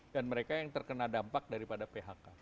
dan mereka yang terkena dampak dari phk